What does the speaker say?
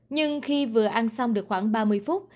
nhưng khi vừa ăn xong được khoảng ba mươi phút